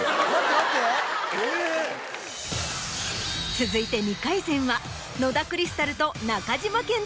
続いて２回戦は。